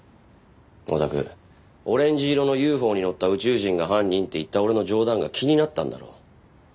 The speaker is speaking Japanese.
お宅オレンジ色のＵＦＯに乗った宇宙人が犯人って言った俺の冗談が気になったんだろ。